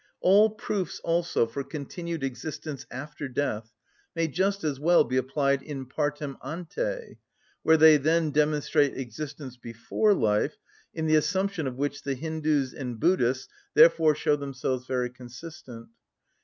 All proofs, also, for continued existence after death may just as well be applied in partem ante, where they then demonstrate existence before life, in the assumption of which the Hindus and Buddhists therefore show themselves very consistent.